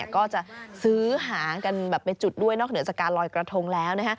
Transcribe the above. ก็จะซื้อหางกันแบบไปจุดด้วยนอกเหนือจากการลอยกระทงแล้ว